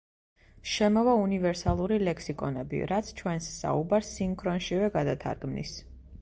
შემოვა უნივერსალური ლექსიკონები, რაც ჩვენს საუბარს სინქრონშივე გადათარგმნის.